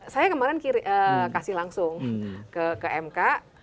saya kemarin kasih langsung ke mk